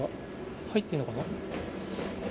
入っていいのかな。